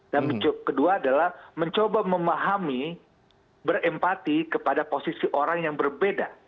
dan kedua adalah mencoba memahami berempati kepada posisi orang yang berbeda